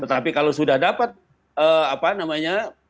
tetapi kalau sudah dapat apa namanya